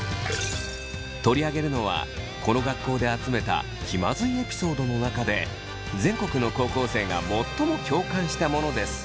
取り上げるのはこの学校で集めた気まずいエピソードの中で全国の高校生が最も共感したものです。